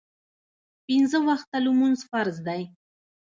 پینځه وخته لمونځ فرض دی